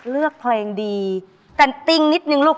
เลือกเพลงดีแต่ติ้งนิดนึงลูก